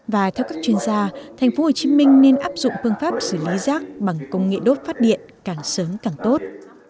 và theo các chuyên gia thành phố hồ chí minh nên áp dụng phương pháp xử lý rác bằng công nghệ đốt phát điện càng sớm càng tốt